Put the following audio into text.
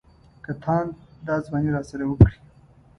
که تاند دا ځواني راسره وکړي.